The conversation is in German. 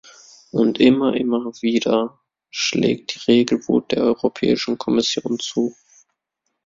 Und immer, immer wieder schlägt die Regelwut der Europäischen Kommission zu.